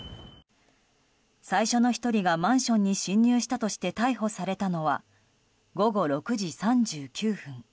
最初の１人がマンションに侵入したとして逮捕されたのは午後６時３９分。